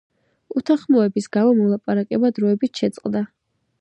უთანხმოების გამო, მოლაპარაკება დროებით შეწყდა.